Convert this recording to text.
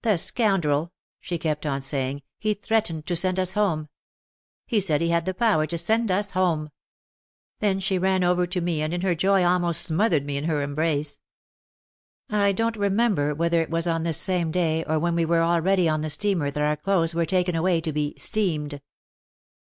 "The scoundrel," she kept on saying, "he threatened to send us home. He said he had the power to send us home!" Then she ran over to me and in her joy almost smothered me in her embrace. I don't remember whether it was on this same day or when we were already on the steamer that our clothes were taken away to be "steamed."